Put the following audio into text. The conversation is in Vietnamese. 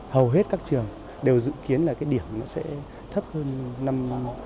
hầu hết các trường đều dự kiến là cái điểm nó sẽ thấp hơn năm hai nghìn một mươi năm